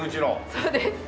そうです。